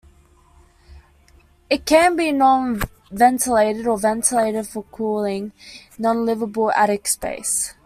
It can be non-ventilated or ventilated for cooling non livable attic space.